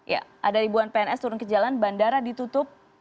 ya ada ribuan pns turun ke jalan bandara ditutup